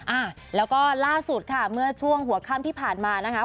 อ่าแล้วก็ล่าสุดค่ะเมื่อช่วงหัวค่ำที่ผ่านมานะคะ